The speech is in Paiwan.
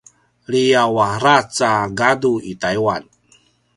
liyaw a ravac a gadu i Taiwan